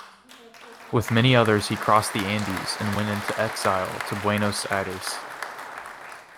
With many others he crossed the Andes and went into exile to Buenos Aires.